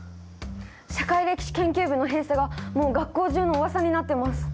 社会歴史研究部の閉鎖がもう学校中のうわさになってます。